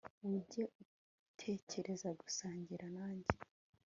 wigeze utekereza gusangira nanjye